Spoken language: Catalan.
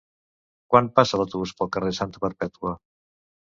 Quan passa l'autobús pel carrer Santa Perpètua?